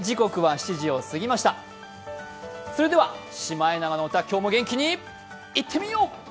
それでは「シマエナガの歌」今日も元気にいってみよう！